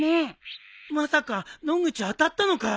まさか野口当たったのかい！？